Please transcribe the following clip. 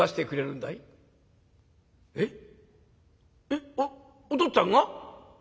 えっお父っつぁんが？